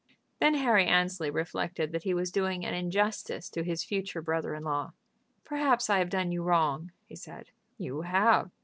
Then Harry Annesley reflected that he was doing an injustice to his future brother in law. "Perhaps I have done you wrong," he said. "You have."